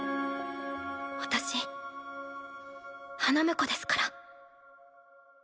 私花婿ですから。